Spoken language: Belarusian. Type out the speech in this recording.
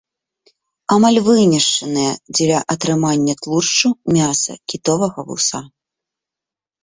Амаль вынішчаны дзеля атрымання тлушчу, мяса, кітовага вуса.